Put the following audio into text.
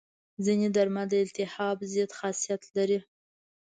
ځینې درمل د التهاب ضد خاصیت لري.